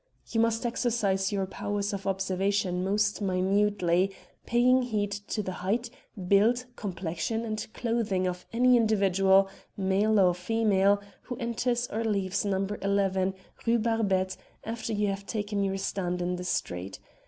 You must exercise your powers of observation most minutely, paying heed to the height, build, complexion, and clothing of any individual, male or female, who enters or leaves No. 11, Rue Barbette, after you have taken your stand in the street.